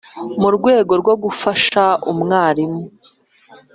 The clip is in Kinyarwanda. Mu rwego rwo gufasha umwarimu